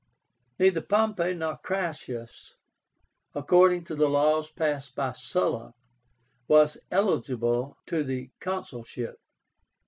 Neither Pompey nor Crassus, according to the laws passed by Sulla, was eligible to the consulship.